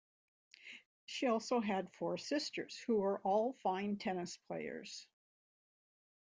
She also had four sisters, who were all fine tennis players.